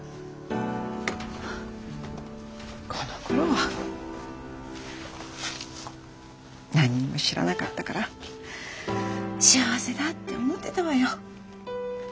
このころは何にも知らなかったから幸せだって思ってたわよ。